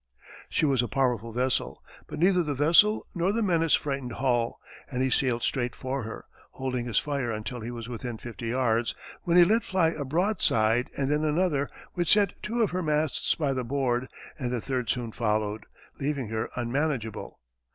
She was a powerful vessel, but neither the vessel nor the menace frightened Hull, and he sailed straight for her, holding his fire until he was within fifty yards, when he let fly a broadside and then another, which sent two of her masts by the board, and the third soon followed, leaving her unmanageable.